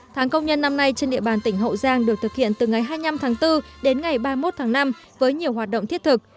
tháng công nhân năm nay trên địa bàn tỉnh hậu giang được thực hiện từ ngày hai mươi năm tháng bốn đến ngày ba mươi một tháng năm với nhiều hoạt động thiết thực